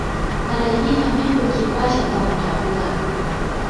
อะไรที่ทำให้คุณคิดว่าฉันตอบคำถามคุณล่ะ